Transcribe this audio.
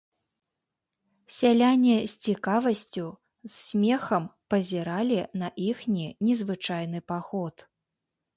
Сяляне з цікавасцю, з смехам пазіралі на іхні незвычайны паход.